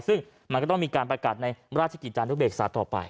ซึ่งมันก็ต้องมีการประกาศในราชกิจจานุเบกษาต่อไป